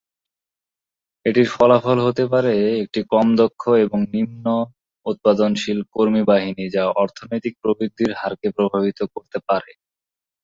এটির ফলাফল হতে পারে একটি কম-দক্ষ এবং নিম্ন উৎপাদনশীল কর্মী বাহিনী যা অর্থনৈতিক প্রবৃদ্ধির হারকে প্রভাবিত করতে পারে।